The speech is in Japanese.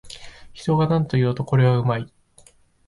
人がなんと言おうと、これはうまい